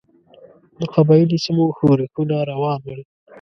د قبایلي سیمو ښورښونه روان ول.